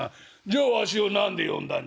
「じゃあわしを何で呼んだんじゃ？」。